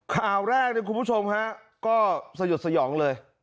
ข่าวแรกเนี่ยคุณผู้ชมฮะก็สยดสยองเลย